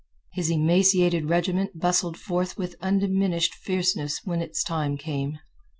His emaciated regiment bustled forth with undiminished fierceness when its time came.